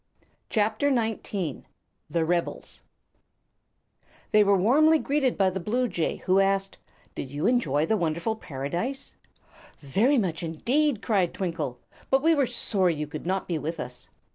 [CHAPTER XIX] The Rebels They were warmly greeted by the bluejay, who asked: "Did you enjoy the wonderful Paradise?" "Very much, indeed," cried Twinkle. "But we were sorry you could not be with us."